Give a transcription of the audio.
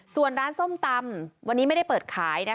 ส่วนร้านส้มตำวันนี้ไม่ได้เปิดขาย